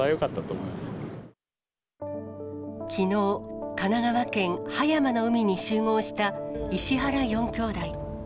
きのう、神奈川県葉山の海に集合した、石原４兄弟。